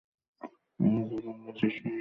আমরা দুজন, ব্যস ঈশ্বরের হাতিয়ার।